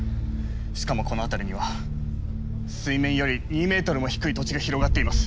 しかもこの辺りには水面より２ｍも低い土地が広がってます。